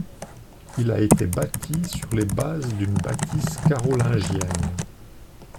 Il a été bâti sur les bases d'une bâtisse carolingienne.